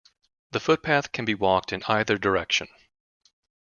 The footpath can be walked in either direction.